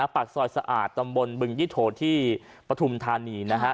ปากซอยสะอาดตำบลบึงยี่โถที่ปฐุมธานีนะฮะ